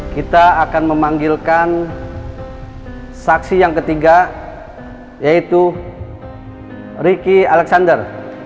kita akan memanggilkan saksi yang ketiga yaitu riki alexander